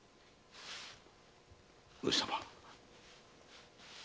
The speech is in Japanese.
上様。